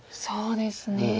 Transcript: そうですね。